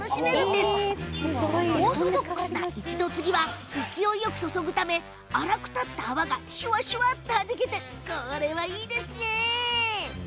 まずオーソドックスな一度つぎは勢いよく注ぐため粗く立った泡がシュワシュワっとはじけてこれはいいですね！